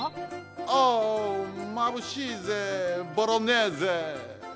オーまぶしいぜボロネーゼ！